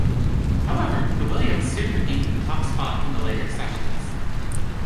However, the Williams soon regained the top spot in the later sessions.